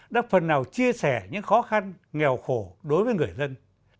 đã phần nào chia sẻ những khó khăn nghèo khổ đối với người dân